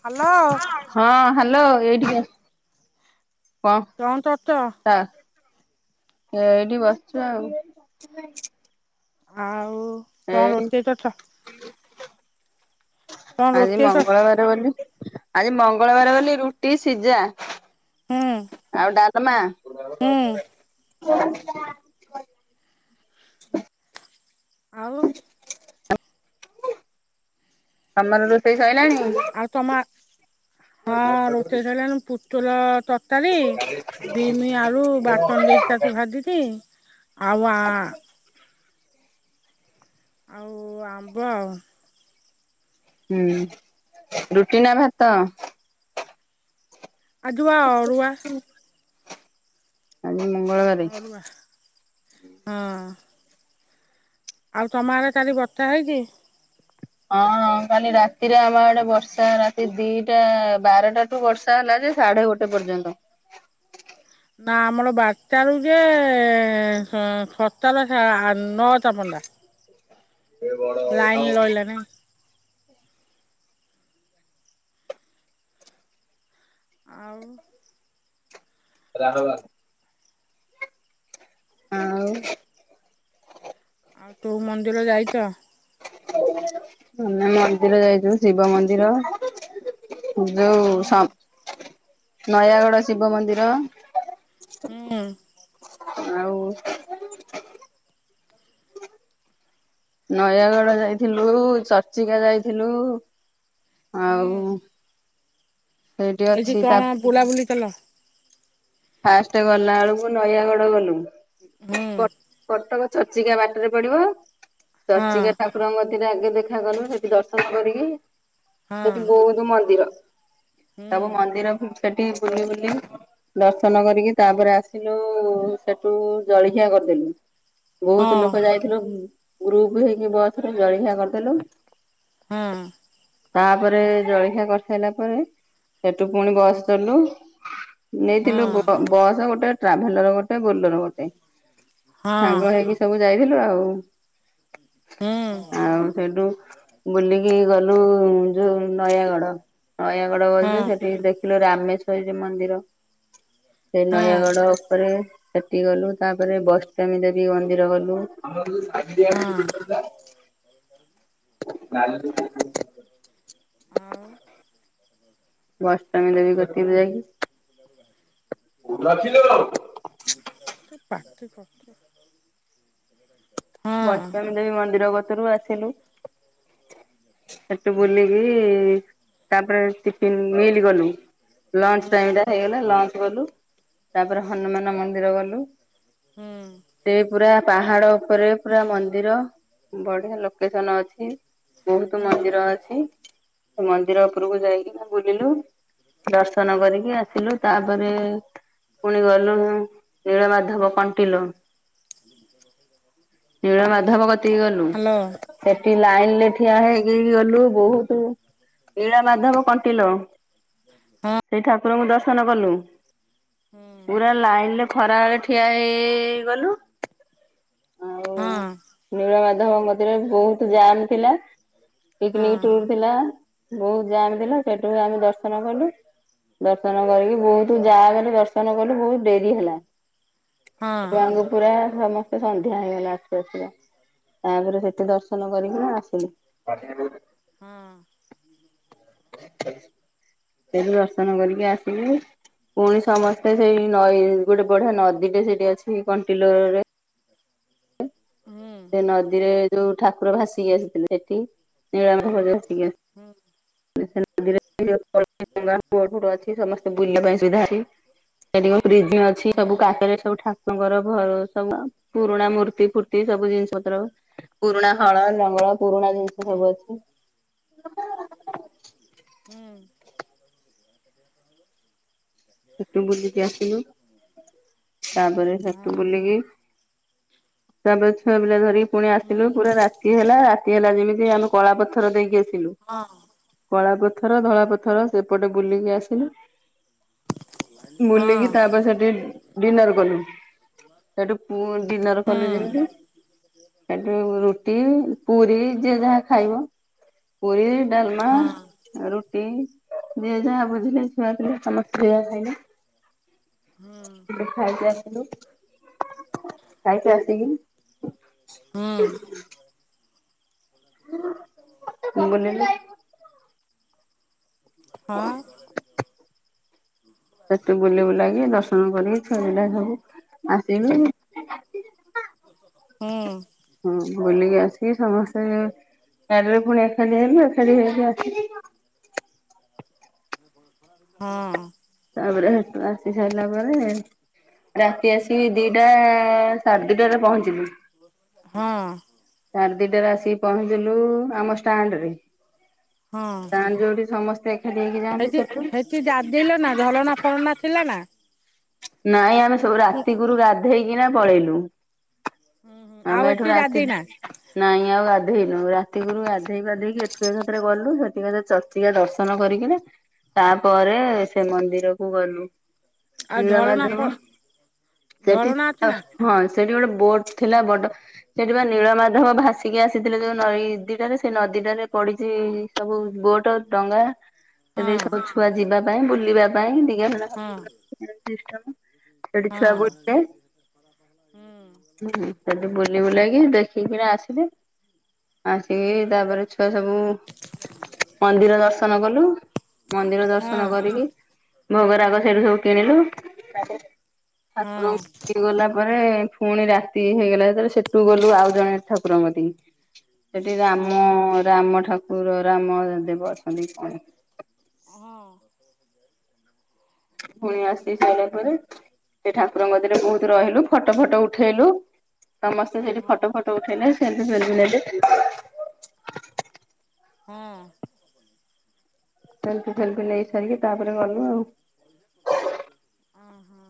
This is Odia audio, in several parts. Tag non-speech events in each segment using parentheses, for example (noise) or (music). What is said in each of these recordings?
ହ୍ୟାଲୋ ହଁ ହ୍ୟାଲୋ ଏଇଠିକି ଆସ୍। କଣ‌ ଚରିଚ। ଏଇଠି ବସିଚି ଆଉ। ଆଉ କଣ ଏଇ ରୋଷେଇ କରିଚ? ଆଜି ରୋଷେଇ କର ମଙ୍ଗଳବାର ବୋଲି ଆଜି ମଙ୍ଗଳବାର ବୋଲି ରୁଟି ସିଜା। ହୁଁ ଆଉ ଡାଲମା। ହୁଁ ଆଉ ତମର ରୋଷେଇ ସଇଲାଣି? ଆଉ ତମ ହଁ ରୋଷେଇ ସଇଲାନି ପୁତୁଲା ତରକାରୀ ବିମି ଆରୁ ବାଟନ୍ ଦେଇ ତାତୁ ଭାଜିଚି ଆଉ ଆ ଆଉ ଆମ୍ବ ଆଉ। ହୁଁ ରୁଟି ନା ଭାତ? ଆଜି ବା ଅରୁୁଆ। ଆଜି ମଙ୍ଗଳବାରେ ଅରୁଆ ହଁ। ଆଉ ତମ ଆଡେ କାଲି ବର୍ଷା ହେଇଚି। ହଁ କାଲି ରାତି ରେ ଆମ ଆଡେ ବର୍ଷା ରାତି ଦିଟା ବାରଟାଠୁ ବର୍ଷା ହେଲା। ଗୋଟେ ସାଢେ ଗୋଟେ ପର୍ଯ୍ୟନ୍ତ। ନା ଆମଲ ବାର୍ଟା ବେଳ ଯାଏ ସେ ସତାଲା ସାଆ ନଅଟା ପନ୍ଦା ଲାଇନ୍ ଲହିଲା ନେଇ ଆଉ। ରାରୱା। ଆଉ ଆଉ ତୁ ମନ୍ଦିର ଯାଇଚ? ଆମେ ମନ୍ଦିର ଯାଇଥିଲୁ ଶିବ ମନ୍ଦିର। ଯୋଉ ହୁଁ ସମ୍ ନୟାଗଡ଼ ଶିବ ମନ୍ଦିର। ହୁଁ। ଆଉ। ନୟାଗଡ଼ ଯାଇଥିଲୁ। ଚର୍ଚ୍ଚିକା ଯାଇଥିଲୁ। ହୁଁ ଆଉ ସେଇଠି ଏଇଠି ଅଛି ତା କଣ ବୁଲାବୁଲି କଲ? ଫାଷ୍ଟେ ଗଲା ବେଳୁକୁ ନୟାଗଡ ଗଲୁ। ହୁଁ। ଚର୍ଚ୍ଚିକା ବାଟରେ ପଡିବ ହଁ ଚର୍ଚିକା ଠାକୁରଙ୍କର ସେଇଠି ଆଗେ ଦେଖାକଲୁ। ସେଠି ଦର୍ଶନ କରିକି ହଁ ସେଠି ବହୁତ ମନ୍ଦିର। ହୁଁ ସବୁ ମନ୍ଦିର ସେଠି ବୁଲି ବୁଲି ଦର୍ଶନ କରିକି ତାପରେ ଆସିଲୁ ସେଠୁ ଜଳିଖିଆ କରିଦେଲୁ। ବହୁତ ହଁ ଲୋକ ଯାଇଥିଲୁ ଗ୍ରୁପ ହେଇକି ବସ୍ ରେ ଜଳିିଖିଆ କରିଦେଲୁ। ହୁଁ। ତାପରେ ଜଳଖିଆ କରିସାରିଲା ପରେ ସେଠୁ ପୁଣି ବସ୍ ଚଳିଲୁ। ନେଇଥିଲୁ ହଁ ବସ୍ ଗୋଟେ, ଟ୍ରାଭେଲର ଗୋଟେ, ବୋଲର ଗୋଟେ ହଁ ସାଙ୍ଗ ହେଇକି ସବୁ ଯାଇଥିଲୁ ଆଉ, ହୁଁ ଆଉ ସେଠୁ ବୁଲିକି ଗଲୁ ଯୋଉ ନୟାଗଡ, ନୟାଗଡ ଗଲୁ ହଁ ଯେ ସେଠି ଦେଖ ଥିଲ ରାମେଶ୍ଵରୀ ମନ୍ଦିର ସେ ହଁ ନୟାଗଡ ଉପରେ ସେଠି ଗଲୁ ତାପରେ ବୈଷ୍ଣବିଦେବୀ ମନ୍ଦିର ଗଲୁ। ହଁ (unintelligible) (unintelligible) ଆଉ ବୈଷ୍ଣବି ଦେବୀ ଗତି (unintelligible) ଯାଇକି (unintelligible) (unintelligible) ବଇଷ୍ଟବିଦେବୀ ମନ୍ଦିର ଗତରୁ ଆସିଲୁ। ହ ହ (unintelligible) ସେଠୁ ବୁଲିକି ତାପରେ ଟିଫିନ ମିଲି କଲୁ। ହଁ ଲଞ୍ଚ ଟାଇମ ଟା ହେଇଗଲା, ଲଞ୍ଚ କଲୁ, ତାପରେ ହନୁମାନ ମନ୍ଦିର ଗଲୁ। ହୁଁ ହଁ ସେ ପୁରା ପାହାଡ ଉପରେ ପୁରା ମନ୍ଦିର ବଢିଆ ଲୋକେସନ ଅଛି, ବହୁତ ହଁ ମନ୍ଦିର ଅଛି। ସେ ମନ୍ଦିର ଉପରକୁ ଯାଇକି ନା ବୁଲିଲୁ। ଦର୍ଶନ କରିକି ଆସିଲୁ, ତାପରେ ପୁଣି ଗଲୁ ନୀଳମାଧବ। କଣ୍ଟିଲୋ, ନୀଳ ମାଧବ କତିକି ଗଲୁ। ସେଠି ଲାଇନ ରେ ଠିଆ ହେଇକି ଗଲୁ ବହୁତ ନୀଳ ମାଧବ କଣ୍ଟିଲୋ। ହଁ ହଁ ସେଇ ଠାକୁରଙ୍କୁ ଦର୍ଶନ କଲୁ। ହୁଁ ପୁରା ଲାଇନ ଖରା ବେଳେ ଠିଆ ହେଇ ହେଇ ଗଲୁ। ଆଉ ହଁ ଅଁ (unintelligible) ବହୁତ ଜାମ ଥିଲା। ପିକନିକ ଟୁର ଥିଲା। ବହୁତ ଜାମଥିଲା। ସେଠୁ ଆମେ ଦର୍ଶନ କଲୁ। ଦର୍ଶନ କରିକି ବହୁତ ଯାହା କଲେ ଦର୍ଶନ କଲୁ, ବହୁତ ଡେରି ହେଲା। ଛୁଆଙ୍କୁ ପୁରା ସମସ୍ତେ ସନ୍ଧ୍ୟା ହେଇଗଲା। ଆସ ତାପରେ ସେଠି ଦର୍ଶନ କରିକି ମୁ ଆସିଲି। ହଁ ଅଁ ସେଠୁ ଦର୍ଶନ କରିକି ଆସିଲି। ପୁଣି ସମସ୍ତେ ସେଇ ନଈ ଗୋଟେ ବଢିଆ ନଦୀରେ ସେଇଠି ଅଛି, କଣ୍ଟିଲୋ ରେ। ସେ ନଦୀରେ ଯୋଉ ଠାକୁର ଭାସିକି ଆସିଥିଲେ ସେଠି। ହୁଁ (unintelligible) ବୁଲିବା ପାଇଁ ସୁବିଧା ଅଛି। ସେଠି (unintelligible) ଅଛି ସବୁ ହୁଁ କାରେ ସବୁ ଠା ତାଙ୍କର ଘର ସବୁ ପୁରୁଣା ମୂର୍ତ୍ତି ଫୁର୍ତ୍ତି ସବୁ ଜିନିଷ ପତ୍ର ପୁରୁଣା ହଳ, ଲଙ୍ଗଳ ପୁରୁଣା ଜିନିଷ ସବୁ ହୁଁ ଅଛି। (unintelligible) ସେଠୁ ବୁଲିକି ଆସିଲୁ। ତାପରେ ସେଠୁ ହଁ ବୁଲିକି ତାପରେ ଛୁଆ ପିଲା ଧରି ପୁଣି ଆସିଲୁ ପୁରା ହୁଁ ରାତି ହେଲା ରାତି ହେଲା ଯେମିତି ଆମେ କଳା ପଥର ଦେଇକି ଆସିଲୁ। ହଁ କଳା ପଥର ଧଳା ପଥର ସେପଟେ ବୁଲିକି ଆସିଲୁ। ହଁ ବୁଲିଗୀ ତାପରେ ସେଥି ଡିନର କଲୁ। ସେଠୁ ଡିନର କଲୁ ହୁଁ ଯେମିତି ହେଠୁ ରୁଟି ପୁରି ଯିଏ ଯାହା ଖାଇବ। ପୁରି ଡାଲମା ହଁ ରୁ ଯିଏ ଯାହା ବୁଝିଲେ ଛୁଆ ଥିଲେ ସମସ୍ତେ ଖାଇଲେ। ଟିକେ ଖାଇକି ଆସିଲୁ, ଖାଇକି ଆସିକି ହ ହଁ (unintelligible) ହଁ। ସେଠି ବୁଲି ବୁଲାକି ଦର୍ଶନ କରିକି ଛୁଆପିଲା ସବୁ ଆସିଲୁ। ହଁ। ହୁଁ ବୁଲିକି ଆସି ସମସ୍ତେ ଗାଡ଼ିରେ ପୁଣି ଏକାଠି ହେଲୁ, ଏକାଠି ହେଇ ଆସ (inaudible) ହଁ। ତାପରେ ଆସି ସାରିଲା ପରେ ରାତି ଆସିବି ଦିଟା ସାଢ଼େ ଦିଟାରେ ପହଞ୍ଚିଲୁ। ହଁ। ସାଢ଼େ ଦିଟାରେ ଆସିକି ପହଞ୍ଚିଲୁ ଆମ ଷ୍ଟାଣ୍ଡ ରେ ତା ଯୋଉଠି ସମସ୍ତେ ଏକାଠି ହେଇକି ଯାଆନ୍ତି ହେଇଠି ସେଠି ହେଇଠି ଗାଧେଇଲ ନା ଝରଣା (unintelligible) ନାଇଁ ଆମେ ସବୁ ମୁଁ ରାତିକୁରୁ ଗାଧେଇକିନା ପଳେଇଲୁ। ଆଉ ଆମେ ଏଠି ଏଠୁ ରାତି ଗାଧେଇନା ନାଇଁ ଆଉ ଗାଧେଇନୁ ରାତିକୁରୁ ଗାଧେଇ ପାଧେଇକି ଏଠୁ ଏକାଥରେ ଗଲୁ ସେଠି ଚର୍ଚିକା ଦର୍ଶନ କରିକି ତାପରେ ସେ ମନ୍ଦିର କୁ ଗଲୁ। ଆଉ ଢରଣା ଫ ନୀଳମାଧବ ସେଠି ଢରଣା ଅଛି ନା ହଁ ସେଠି ଗୋଟେ ବୋଟ ଥିଲା ବଡ ସେଠି ବା ନୀଳମାଧବ ଭାସିକି ଆସିଥିଲେ ଯୋଉ ନଈଦିଟାରେ ସେଇ ନଦୀଟାରେ ପଡିଚି ସବୁ ବୋଟ ଡଙ୍ଗା। ସେଠି ହଁ ସବୁ ଛୁଆ ଯିବା ପାଇଁ ବୁଲିବା ପାଇଁ ଦିକେବ ହଁ ସେଠି ଛୁଆ ହଁ ବୁଲେ ହୁଁ ସେଠି ବୁଲି ବୁଲାକି ଦେ କିନା ଆସିଲି। ଆସିକି ତାପରେ ଛୁଆ ସବୁ ମନ୍ଦିର ଦର୍ଶନ କଲୁ। ମନ୍ଦିର ଦର୍ଶନ ହଁ କରିକି ହୁଁ ଭୋଗରାଗ ସେଇଠୁ ସବୁ କିଣିଲୁ। ତାପ ଠାକୁର ହଁ ଗଲା ପରେ ପୁଣି ରାତି ହେଇଗଲା ଯେତେବେଳେ ସେଠୁ ଗଲୁ ଆଉ ଜଣେ ଠାକୁରଙ୍କ କତିକି ଦ ସେଠି ହଁ ହଁ ରାମ ରାମ ଠାକୁର ରାମ (unintelligible) ହଁ। ଫୁଣି ଆସି ସାଈଲାପରେ ସେ ଠାକୁରଙ୍କ କତିରେରେ ବୋହୁତ ରହିଲୁ ଫଟୋ ଫଟ ଉଠେଇଲୁ। ସମସ୍ତେ ସେଇଠି ହଁ ଫଟୋ ହଁ ଫଟୋ ଉଠେଇଲେ ସେମିତି ସେମିତି (unintelligible) ନେଲେ। ହଁ। ସେଲ୍ଫି ଫେଲ୍ଫି ନେଇ ସାରିକି ତାପରେ ଗଲୁ ଆଉ। ଓହୋ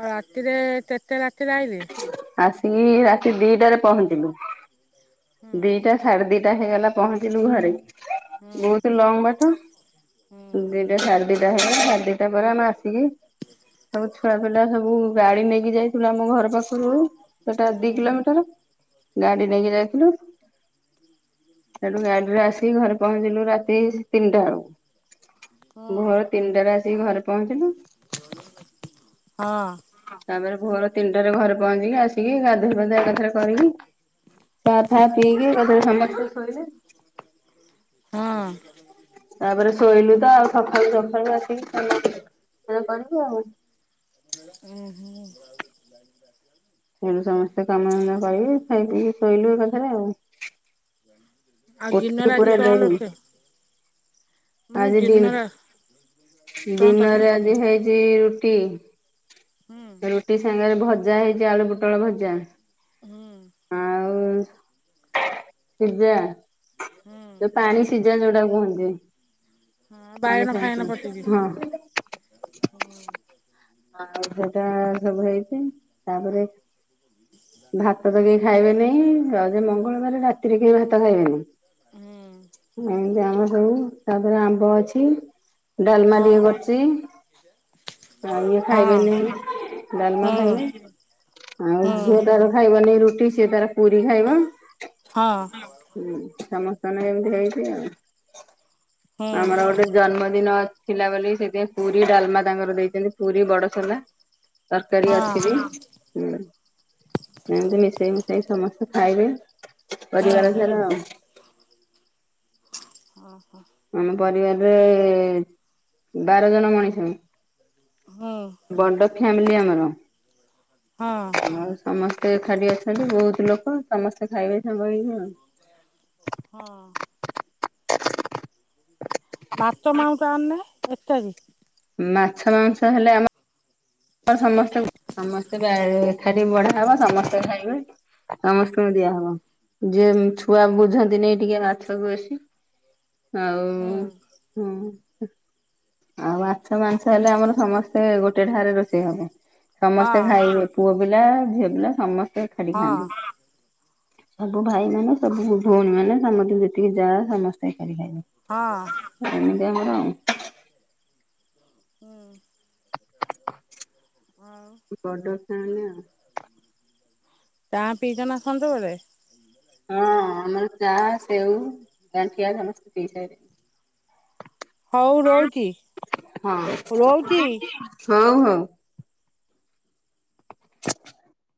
ଆଉ ରାତିରେ କେତେ ରାତିରେ ଆଇଲେ? ଆସିକି ରାତି ଦିଟାରେ ପହଞ୍ଚିଲୁ ହୁଁ ଦିଟା ସାଢେ ଦିଟା। ଟା ହେଇଗଲା ପହଞ୍ଚିଲୁ ଘରେ ହୁଁ ବୋହୁତ ଲଙ୍ଗ ବାଟ ହୁଁ ଦିଟା ସାଢେ଼ଦି ସାଢେ଼ ଦିଟା ପରେ ଆମେ ଆସିକି ସବୁ ଛୁଆ ପିଲା ସବୁ ଗାଡି ନେଇକି ଯାଇଥିଲୁ ଆମ ଘର ପାଖ ସେଟା ହୁଁ ଦି କିଲୋମିଟର ଗାଡି ନେଇକି ଯାଇଥିଲୁ। ସେଠୁ ଗାଡିରେ ଆସିକି ଘରେ ପହଞ୍ଚିଲୁ ରାତି ତିନିଟା ବେଳକୁ। ହୁଁ ଭୋର ତିନିଟାରେ ଆସିକି ଘରେ ପହଞ୍ଚିଲି। ହଁ ତାପରେ ଭୋଅର ତିନିଟାରେ ଘରେ ପହଞ୍ଚିକି ଆସିକି ଗାଧୋଇ ପାଧୁଆ ଏକାଥରେ କରିକି ଚା ଫା ପିଇକି ଏକାଥରେ ସମସ୍ତେ ଶୋଇଲେ। ହଁ। ତାପରେ ଶୋଇଲୁ ତ ଆଉ ସକାଳୁ ସକାଳୁ ଆସିକି (unintelligible) ଓ ହୋ। ସେଠୁ ସମସ୍ତେ କାମ ଧନ୍ଦା କରିକି ଖାଇ ପିଇକି ଶୋଇଲୁ ଏକାଥରେ ଆଉ ଆଉ ଦିନରେ ଆଜି ଚଁ ଲୋଚେ (unintelligible) ମାନେ ଆଜି ଡି ଦିନରେ ଚଁ ଡିନରରେ ତତଲା ଆଜି ହେଇଛି ରୁଟି ହୁଁ। ରୁଟି ସାଙ୍ଗରେ ଭଜା ହେଇଛି ଆଳୁ ପୋଟଳ ଭଜା ହୁଁ ଆ। ଆଉ ସିଜା ହୁଁ। ଯଉ ପାଣି ସିଜା ଯୋଉଟା କୁହନ୍ତି ହଁ ବାଇଗଣ ପାଣି ଫାଇଗଣ ସନ୍ତୁଳା ପଚିଚି। ହଁ ହଁ ଆଉ ସେଟା ସବୁ ହେଇଛି ତାପରେ ଭାତ ତ କେହି ଖାଇବେନେଇ ଯେ ମଙ୍ଗଳବାର ରାତିରେ କେହି ଭାତ ଖାଇବେନି ହଁ ହୁଁ ଏମତି ଆମର ସବୁ ତାପରେ ଆମ ଅଛି ଡାଲମା ଏ ହୁଁ। କରୁଚି ଏ ହଁ ହୁଁ ଖାଇବେନି ଡାଲମା ହଁ ଖାଇବେ ଆଉ ହୁଁ ଝିଅ ତାର ଖାଇ ନ ରୁଟି ସେ ତାର ପୁରୀ ଖାଇବ। ହୁଁ ସମସ୍ତଙ୍କ ଏମତି ହେଇଛି ଆଉ ହଁ। ଆମର ଗୋଟେ ଜନ୍ମଦିନ ଅଛି। ଥିଲା ବୋଲି ସେଥିାଇଁ ପୁରୀ ଡାଲମା ତାଙ୍କର ଦେଇଛନ୍ତି ପୁରୀ ବଡସୋଲା। ତରକାରୀ ଅଛି ବି ହୁଁ। ଏମିତି ମିଶେଇ ମିଶେଇ ସମସ୍ତେ ଖାଇବେ ପରିବାର ସାର ଆଉ। ହଁ ଆମ ପରିବାରରେ ବାର ଜଣ ମଣିଷ। ହଁ। ଫ୍ୟାମିଲୀ ଆମର ଆ ସମସ୍ତେ ଏକାଠି ଅଛନ୍ତି ବହୁତ। ଲୋକ ସମସ୍ତେ ଖାଇବେ ସାଙ୍ଗ ହେଇକି ଆଉ। ହଁ। ମାଛ ମାଉଟ ଆଣିନେ ଇତ୍ୟାଦି। ମାଛ ମାଂସ ହେଲେ ଆମ ସମସ୍ତେ ସମସ୍ତେ ବଢା ହୁଁ ହବ ସମସ୍ତେ ଖାଇବେ। ସମସ୍ତଙ୍କୁ ଦିଆ ହବ ଯିଏ ଛୁଆ ବୁଝନ୍ତି ନାଇଁ ଟିକେ ମାଛକୁ ବେସି। (inaudible) ଆଉ ହୁଁ। ହଁ। ଆଉ ମାଛ ମାଂସ ହେଲେ ଆମର ସମସ୍ତେ ଗୋଟେ ଠାରେ ରୋଷେଇ ହବ। ସମସ୍ତେ ହଁ ଖାଇ ପୁଅ ପିଲା ଝିଅ ପିଲା ସମସ୍ତେ ଖାଲି ହଁ ଖାଆନ୍ତି। ସବୁ ଭାଇ ମାନେ ସବୁ ଭଉଣୀ ମାନେ ସମସ୍ତେ ଯେତିକି ଯାଆ ସମସ୍ତେ। ଖାଇ ହଁ। ଏମିତି ଆମର ଆଉ। ହୁଁ। ଆଉ ବଡ ଖେଳନା ଆଉ। ଚା ପିଇଚନା ସଞ୍ଜ ବେଳେ। ହଁ ଆମର ଚା, ସେଉ, ଗଣ୍ଠିଆ ସମସ୍ତେ ପିଇ ହଉ ସାରିଲେଣି। ରହୁଚି। ହଁ ରହୁଛି ହଉ ହଉ। (inaudible)